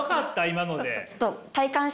今ので。